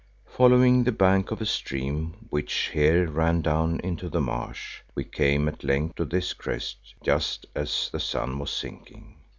Following the bank of a stream which here ran down into the marsh, we came at length to this crest just as the sun was sinking.